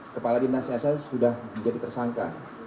kalau dinasihasa sudah menjadi tersangka